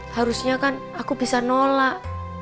harusnya kan aku bisa nolak